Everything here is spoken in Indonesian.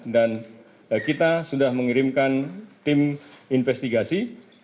dan kita sudah mengirimkan tim investigasi